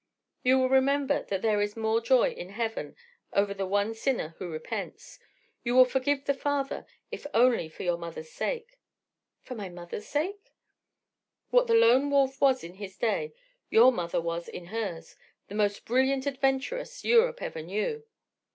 You will remember that there is more joy in Heaven over the one sinner who repents ... You will forgive the father, if only for your mother's sake." "For my mother's sake—?" "What the Lone Wolf was in his day, your mother was in hers—the most brilliant adventuress Europe ever knew."